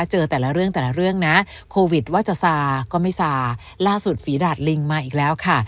เจอแต่ละเรื่องแต่ละเรื่องนะโควิดว่าจะซาก็ไม่ซาล่าสุดฝีดาดลิงมาอีกแล้วค่ะ